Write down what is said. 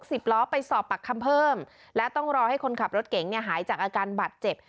สิบล้อไปสอบปากคำเพิ่มและต้องรอให้คนขับรถเก๋งเนี่ยหายจากอาการบาดเจ็บ